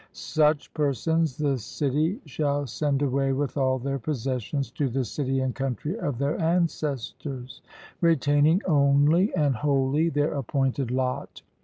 Such persons the city shall send away with all their possessions to the city and country of their ancestors, retaining only and wholly their appointed lot.